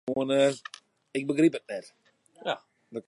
Ik begryp it net.